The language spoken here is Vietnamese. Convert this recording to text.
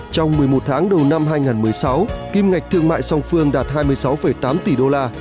trong một mươi một tháng đầu năm hai nghìn một mươi sáu kim ngạch thương mại song phương đạt hai mươi sáu tám tỷ đô la